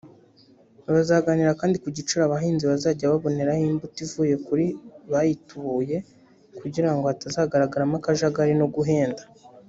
Bazaganira kandi ku giciro abahinzi bazajya baboneraho imbuto ivuye kuri bayitubuye kugira ngo hatazagaragamo akajagari no guhenda